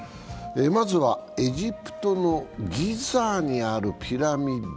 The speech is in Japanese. まずはエジプトのギザにあるピラミッド。